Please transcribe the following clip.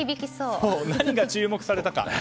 何が注目されたか。